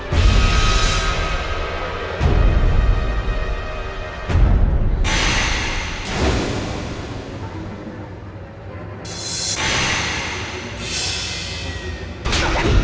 pasti ada sesuatu yang aneh